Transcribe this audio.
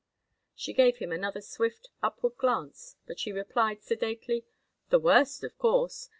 She gave him another swift, upward glance, but she replied, sedately: "The worst, of course.